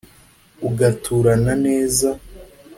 Ugaturana neza